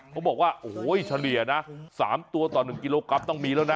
เขาบอกว่าโอ้โหเฉลี่ยนะ๓ตัวต่อ๑กิโลกรัมต้องมีแล้วนะ